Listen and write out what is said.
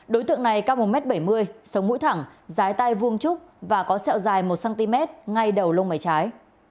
đối tượng này cao một m bảy mươi sống mũi thẳng tay vuông trúc và có sẹo dài một cm ngay đầu lông mảy trái